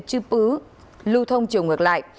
chư pứ lưu thông chiều ngược lại